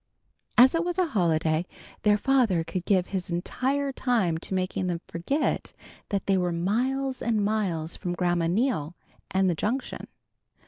As it was a holiday their father could give his entire time to making them forget that they were miles and miles from Grandma Neal and the Junction.